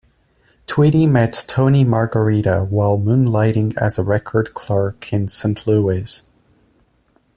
Tweedy met Tony Margherita while moonlighting as a record clerk in St. Louis.